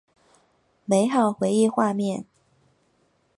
美好回忆画面